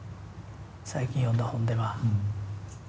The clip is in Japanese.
最近読んだ本では。